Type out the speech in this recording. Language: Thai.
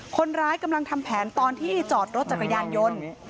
คนร้ายกำลังทำแผนตอนที่จอดรถจักรยานยนต์